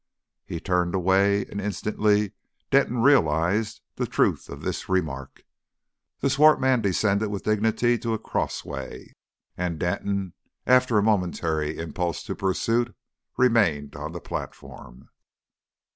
He turned away, and instantly Denton realised the truth of this remark. The swart man descended with dignity to a cross way, and Denton, after a momentary impulse to pursuit, remained on the platform.